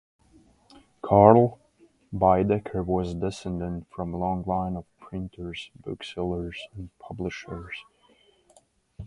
Karl Baedeker was descended from a long line of printers, booksellers and publishers.